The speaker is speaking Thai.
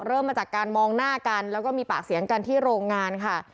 เริ่มมาจากการมองหน้ากันแล้วก็มีปากเสียงกันที่โรงงานค่ะ